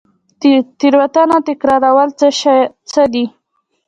تیروتنه تکرارول څه دي؟